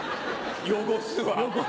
汚すわ